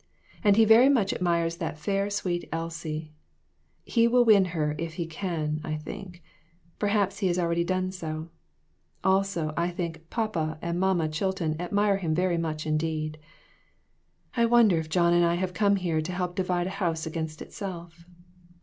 And he very much admires that fair, sweet Elsie ; he will win her if he can, I think ; perhaps has already done so. Also, I think ' Papa ' and ' Mamma ' Chilton admire him very much indeed. I wonder if John and I have come here to help divide a house against itself?